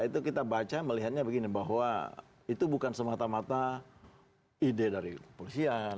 itu kita baca melihatnya begini bahwa itu bukan semata mata ide dari kepolisian